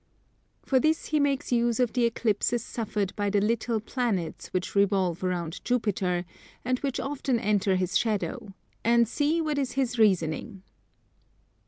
For this he makes use of the Eclipses suffered by the little planets which revolve around Jupiter, and which often enter his shadow: and see what is his reasoning.